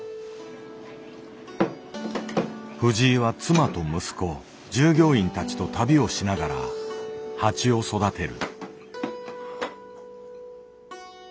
藤井は妻と息子従業員たちと旅をしながら蜂を育てる。